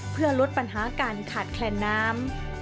เพื่อลดปัญหาการขาดแคลนน้ำ